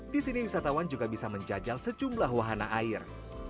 di sini wisatawan juga bisa menjajal sejumlah wahana air